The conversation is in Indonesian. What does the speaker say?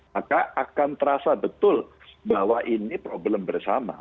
maka akan terasa betul bahwa ini problem bersama